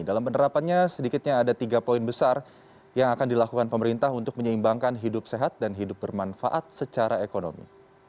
dalam penerapannya sedikitnya ada tiga poin besar yang akan dilakukan pemerintah untuk menyeimbangkan hidup sehat dan hidup bermanfaat secara ekonomi